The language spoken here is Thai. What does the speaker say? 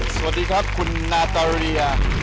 สวัสดีครับคุณนาตาเรีย